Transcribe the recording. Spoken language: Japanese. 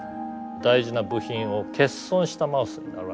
大事な部品を欠損したマウスになるわけですね。